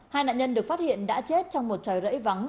hai nạn nhân được phát hiện đã chết trong một trời rẫy vắng